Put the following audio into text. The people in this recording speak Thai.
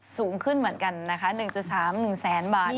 สูงขึ้นเหมือนกันนะคะ๑๓บาท๑แสนบาทเนี่ย